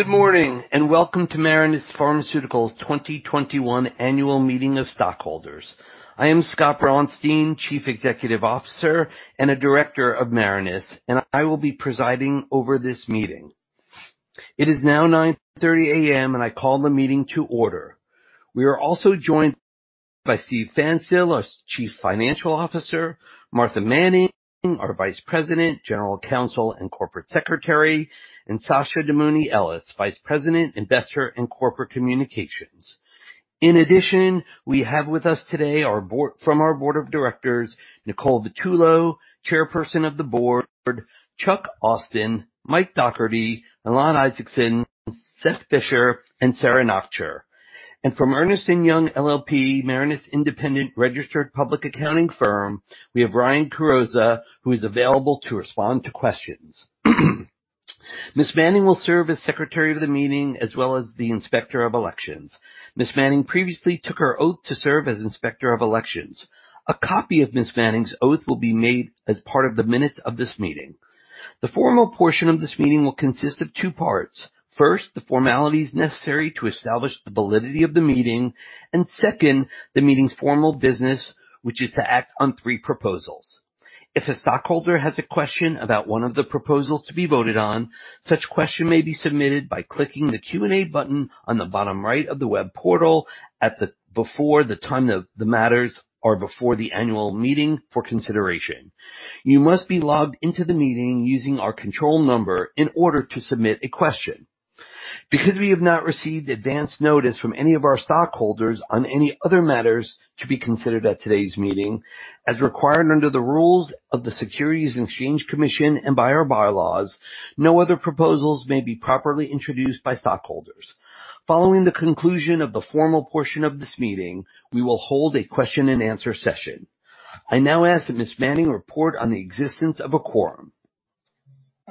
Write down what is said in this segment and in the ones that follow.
Good morning, and welcome to Marinus Pharmaceuticals 2021 Annual Meeting of Stockholders. I am Scott Braunstein, Chief Executive Officer and a director of Marinus, and I will be presiding over this meeting. It is now 9:30 A.M. I call the meeting to order. We are also joined by Steven Pfanstiel, our Chief Financial Officer, Martha Manning, our Vice President, General Counsel, and Corporate Secretary, and Sasha Demetriou, Vice President, Investor and Corporate Communications. In addition, we have with us today from our board of directors, Nicole Vitullo, Chairperson of the Board, Charles Austin, Michael Dougherty, Elan Ezickson, Seth H. Z. Fischer, and Saraswathy Nochur. From Ernst & Young LLP, Marinus' independent registered public accounting firm, we have Ryan Carrozza, who is available to respond to questions. Ms. Manning will serve as secretary of the meeting as well as the Inspector of Elections. Ms. Manning previously took her oath to serve as Inspector of Elections. A copy of Ms. Manning's oath will be made as part of the minutes of this meeting. The formal portion of this meeting will consist of two parts. First, the formalities necessary to establish the validity of the meeting, and second, the meeting's formal business, which is to act on three proposals. If a stockholder has a question about one of the proposals to be voted on, such question may be submitted by clicking the Q&A button on the bottom right of the web portal before the time the matters are before the annual meeting for consideration. You must be logged into the meeting using our control number in order to submit a question. Because we have not received advance notice from any of our stockholders on any other matters to be considered at today's meeting, as required under the rules of the Securities and Exchange Commission and by our bylaws, no other proposals may be properly introduced by stockholders. Following the conclusion of the formal portion of this meeting, we will hold a question and answer session. I now ask that Ms. Manning report on the existence of a quorum.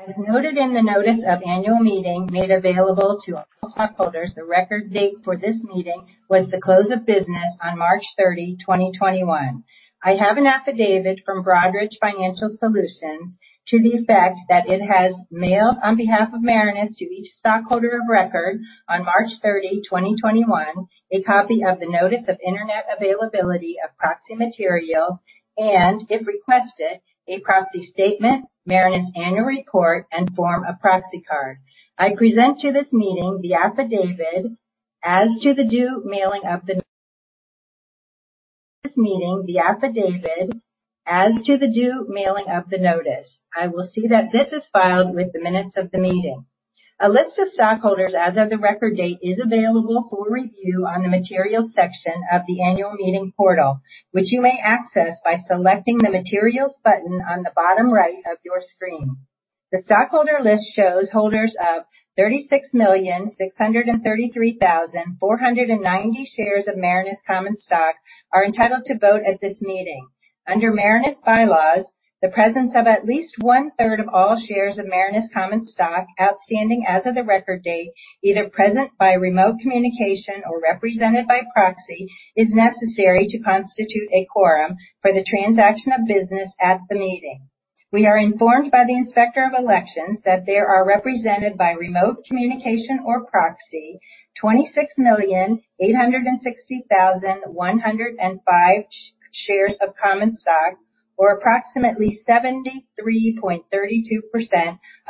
As noted in the notice of annual meeting made available to all stockholders, the record date for this meeting was the close of business on March 30, 2021. I have an affidavit from Broadridge Financial Solutions to the effect that it has mailed on behalf of Marinus to each stockholder of record on March 30, 2021, a copy of the notice of Internet availability of proxy materials, and if requested, a proxy statement, Marinus annual report, and form of proxy card. I present to this meeting the affidavit as to the due mailing of the notice. I will see that this is filed with the minutes of the meeting. A list of stockholders as of the record date is available for review on the Materials section of the annual meeting portal, which you may access by selecting the Materials button on the bottom right of your screen. The stockholder list shows holders of 36,633,490 shares of Marinus common stock are entitled to vote at this meeting. Under Marinus bylaws, the presence of at least one-third of all shares of Marinus common stock outstanding as of the record date, either present by remote communication or represented by proxy, is necessary to constitute a quorum for the transaction of business at the meeting. We are informed by the Inspector of Elections that they are represented by remote communication or proxy 26,860,105 shares of common stock, or approximately 73.32%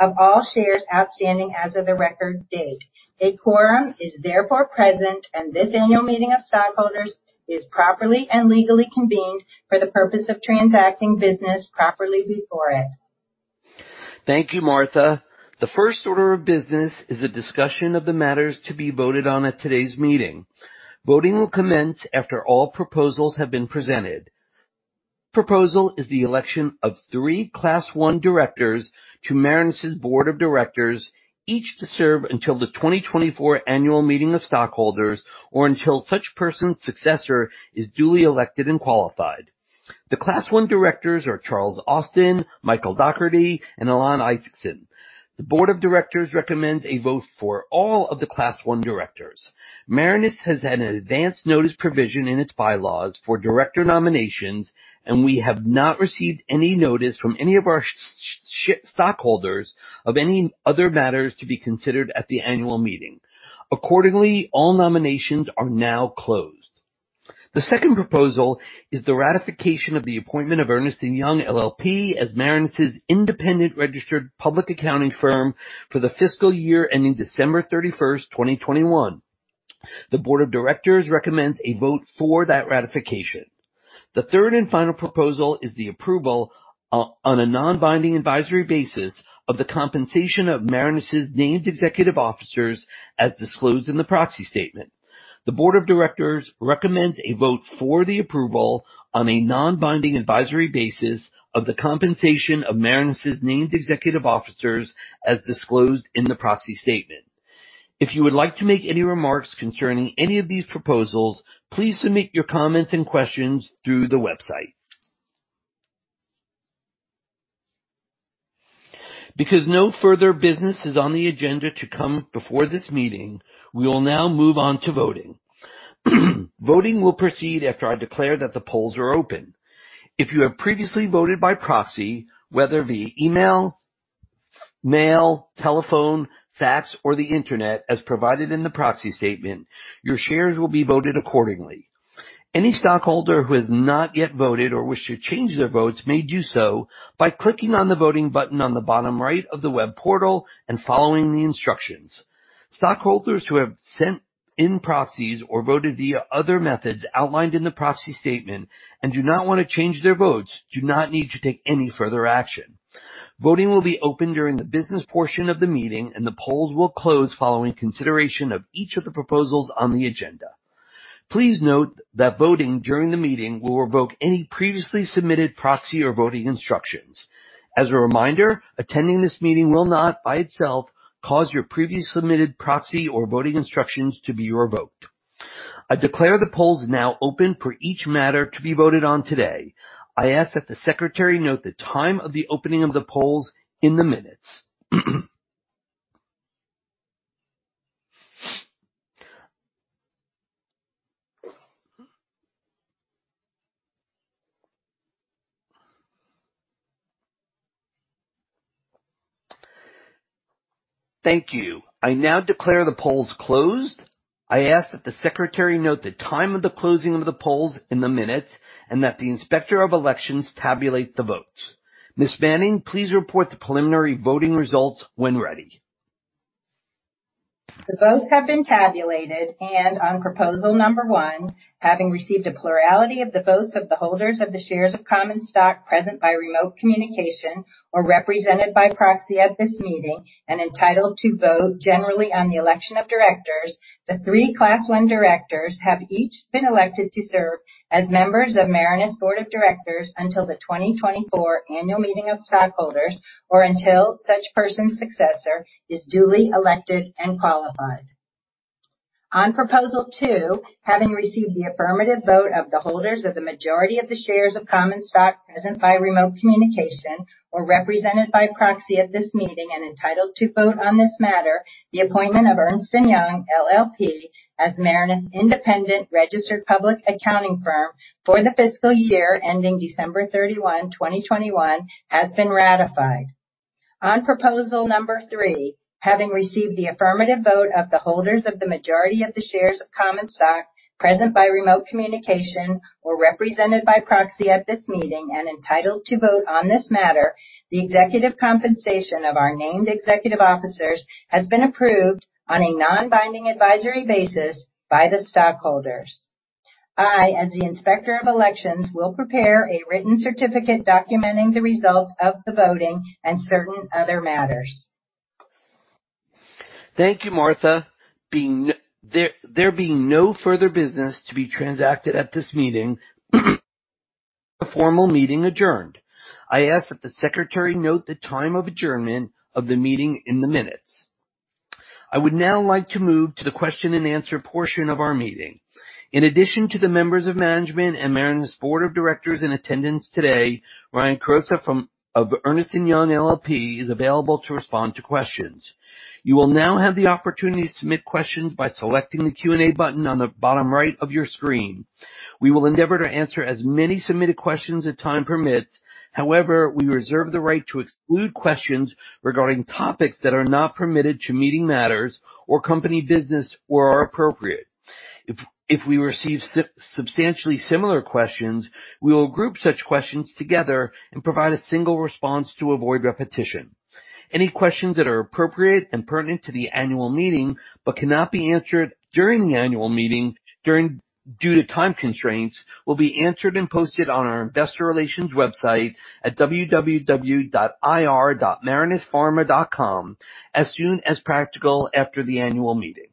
of all shares outstanding as of the record date. A quorum is therefore present and this annual meeting of stockholders is properly and legally convened for the purpose of transacting business properly before it. Thank you, Martha. The first order of business is a discussion of the matters to be voted on at today's meeting. Voting will commence after all proposals have been presented. First proposal is the election of three Class One directors to Marinus' board of directors, each to serve until the 2024 annual meeting of stockholders or until such person's successor is duly elected and qualified. The Class One directors are Charles Austin, Michael Dougherty, and Alan Isaacson. The board of directors recommends a vote for all of the Class One directors. Marinus has an advance notice provision in its bylaws for director nominations, and we have not received any notice from any of our stockholders of any other matters to be considered at the annual meeting. Accordingly, all nominations are now closed. The second proposal is the ratification of the appointment of Ernst & Young LLP as Marinus' independent registered public accounting firm for the fiscal year ending December 31st, 2021. The board of directors recommends a vote for that ratification. The third and final proposal is the approval on a non-binding advisory basis of the compensation of Marinus' named executive officers as disclosed in the proxy statement. The board of directors recommends a vote for the approval on a non-binding advisory basis of the compensation of Marinus' named executive officers as disclosed in the proxy statement. If you would like to make any remarks concerning any of these proposals, please submit your comments and questions through the website. Because no further business is on the agenda to come before this meeting, we will now move on to voting. Voting will proceed after I declare that the polls are open. If you have previously voted by proxy, whether via email, mail, telephone, fax, or the internet as provided in the proxy statement, your shares will be voted accordingly. Any stockholder who has not yet voted or wish to change their votes may do so by clicking on the voting button on the bottom right of the web portal and following the instructions. Stockholders who have sent in proxies or voted via other methods outlined in the proxy statement and do not want to change their votes do not need to take any further action. Voting will be open during the business portion of the meeting, and the polls will close following consideration of each of the proposals on the agenda. Please note that voting during the meeting will revoke any previously submitted proxy or voting instructions. As a reminder, attending this meeting will not by itself cause your previously submitted proxy or voting instructions to be revoked. I declare the polls now open for each matter to be voted on today. I ask that the Secretary note the time of the opening of the polls in the minutes. Thank you. I now declare the polls closed. I ask that the Secretary note the time of the closing of the polls in the minutes and that the Inspector of Elections tabulate the votes. Ms. Manning, please report the preliminary voting results when ready. The votes have been tabulated. On proposal number 1, having received a plurality of the votes of the holders of the shares of common stock present by remote communication or represented by proxy at this meeting and entitled to vote generally on the election of directors, the three Class I directors have each been elected to serve as members of Marinus' board of directors until the 2024 annual meeting of stockholders or until such person's successor is duly elected and qualified. On proposal 2, having received the affirmative vote of the holders of the majority of the shares of common stock present by remote communication or represented by proxy at this meeting and entitled to vote on this matter, the appointment of Ernst & Young LLP as Marinus' independent registered public accounting firm for the fiscal year ending December 31, 2021, has been ratified. On proposal number 3, having received the affirmative vote of the holders of the majority of the shares of common stock present by remote communication or represented by proxy at this meeting and entitled to vote on this matter, the executive compensation of our named executive officers has been approved on a non-binding advisory basis by the stockholders. I, as the Inspector of Elections, will prepare a written certificate documenting the results of the voting and certain other matters. Thank you, Martha. There being no further business to be transacted at this meeting, the formal meeting adjourned. I ask that the secretary note the time of adjournment of the meeting in the minutes. I would now like to move to the question and answer portion of our meeting. In addition to the members of management and Marinus' board of directors in attendance today, Ryan Carrozza of Ernst & Young LLP is available to respond to questions. You will now have the opportunity to submit questions by selecting the Q&A button on the bottom right of your screen. We will endeavor to answer as many submitted questions as time permits. However, we reserve the right to exclude questions regarding topics that are not pertinent to meeting matters or company business or are inappropriate. If we receive substantially similar questions, we will group such questions together and provide a single response to avoid repetition. Any questions that are appropriate and pertinent to the annual meeting but cannot be answered during the annual meeting due to time constraints will be answered and posted on our investor relations website at www.ir.marinuspharma.com as soon as practical after the annual meeting.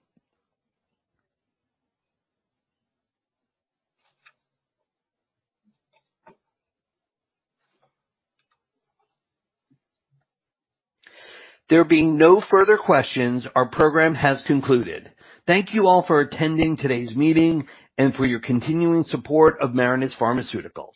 There being no further questions, our program has concluded. Thank you all for attending today's meeting and for your continuing support of Marinus Pharmaceuticals.